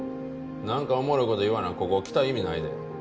なんかおもろい事言わなここ来た意味ないで。